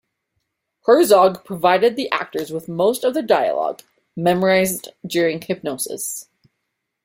Herzog provided the actors with most of their dialogue, memorised during hypnosis.